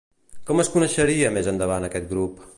Com es coneixeria més endavant aquest grup?